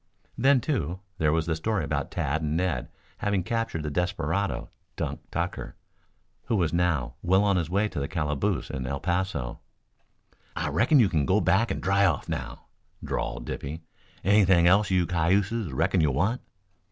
Then, too, there was the story about Tad and Ned having captured the desperado, Dunk Tucker, who was now well on his way to the calaboose in El Paso. "I reckon you kin go back and dry off now," drawled Dippy. "Anything else you cayuses reckon you want?"